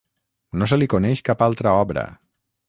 No se li coneix cap altra obra.